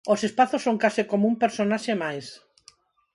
Os espazos son case como un personaxe máis...